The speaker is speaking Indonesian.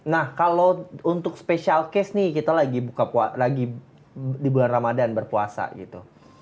nah kalau untuk special case nih kita lagi di bulan ramadhan berpuasa gitu